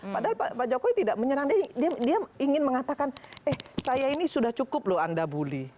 padahal pak jokowi tidak menyerang dia ingin mengatakan eh saya ini sudah cukup loh anda bully